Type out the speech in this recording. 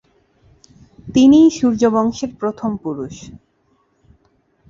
তিনিই সূর্য বংশের প্রথম পুরুষ।